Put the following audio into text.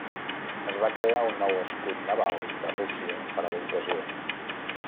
Es va crear un nou escut naval de Rússia per a l'ocasió.